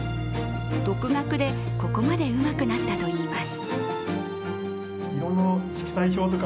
独学でここまでうまくなったといいます。